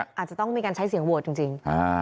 อาจจะต้องมีการใช้เสียงโหวตจริง